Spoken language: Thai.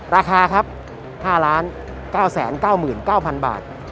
ราคาครับ๕๙๙๙๐๐บาท